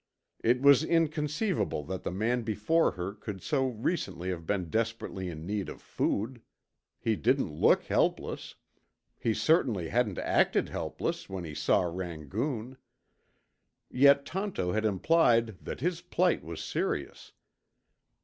It was inconceivable that the man before her could so recently have been desperately in need of food. He didn't look helpless. He certainly hadn't acted helpless when he saw Rangoon. Yet Tonto had implied that his plight was serious.